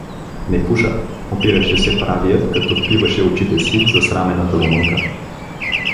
— Не пуша — опираше се правият, като впиваше очите си в засрамената румънка.